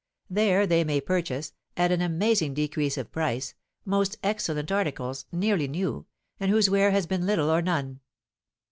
There they may purchase, at an amazing decrease of price, most excellent articles, nearly new, and whose wear has been little or none.